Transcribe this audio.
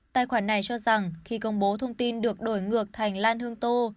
tài khoản này cho rằng khi công bố thông tin được đổi ngược thành lan hương tô